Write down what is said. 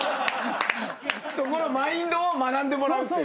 そこのマインドを学んでもらうって。